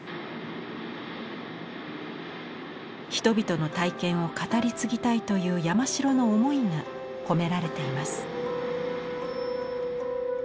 人々の体験を語り継ぎたいという山城の思いが込められています。